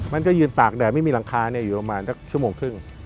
มันก็ยืนตากแดดไม่มีหลังคาอยู่ประมาณสักชั่วโมงครึ่ง